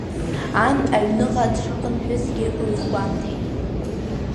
Ан аҩныҟа дшыхынҳәызгьы лызгәамҭеит.